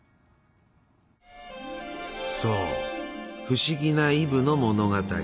そう不思議なイブの物語。